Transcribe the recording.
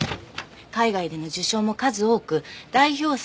海外での受賞も数多く代表作